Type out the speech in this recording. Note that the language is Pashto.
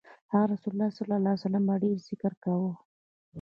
هغه ﷺ به ډېر ذکر کاوه.